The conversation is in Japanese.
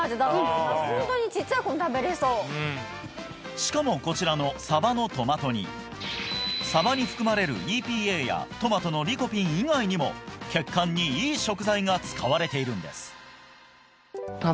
海曠鵐箸しかもこちらのサバのトマト煮サバに含まれるＥＰＡやトマトのリコピン以外にも血管にいい食材が使われているんです織